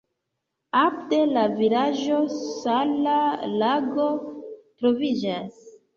Apud la vilaĝo sala lago troviĝas.